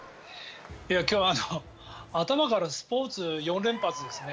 今日、頭からスポーツ４連発ですね。